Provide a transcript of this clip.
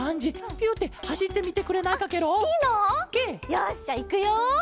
よしじゃあいくよ！